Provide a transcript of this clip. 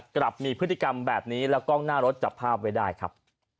กลับมีพฤติกรรมแบบนี้แล้วกล้องหน้ารถจับภาพไว้ได้ครับ